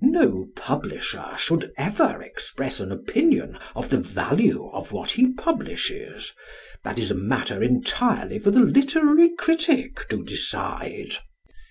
No publisher should ever express an opinion of the value of what he publishes. That is a matter entirely for the literary critic to decide.